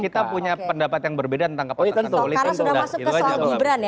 kita punya pendapat yang berbeda tentang keputusan politik